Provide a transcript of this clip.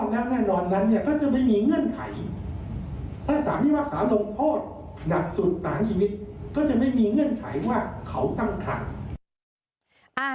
ถ้าสามิวักษาลงโทษหนักสุดหลังชีวิตก็จะไม่มีเงื่อนไขว่าเขาตั้งคลัก